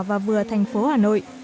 và vừa thành phố hà nội